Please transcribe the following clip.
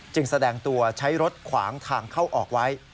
แสดงตัวใช้รถขวางทางเข้าออกไว้